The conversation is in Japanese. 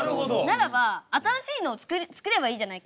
ならば新しいのを作ればいいじゃないか。